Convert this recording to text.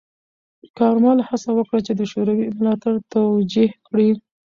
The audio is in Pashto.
کارمل هڅه وکړه چې د شوروي ملاتړ توجیه کړي.